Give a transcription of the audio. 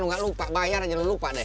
lo gak lupa bayar aja lo lupa deh